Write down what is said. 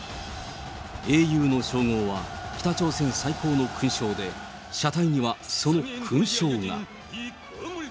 英雄の称号は北朝鮮最高の勲章で、車体にはその勲章が。